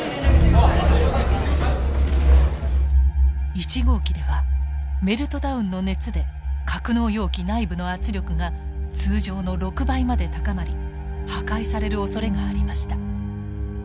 １号機ではメルトダウンの熱で格納容器内部の圧力が通常の６倍まで高まり破壊されるおそれがありました。